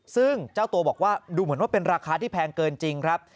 ซึ่งเจ้าตัวบอกว่าดูเหมือนว่าเป็นราคาที่แพงเกินจริงครับ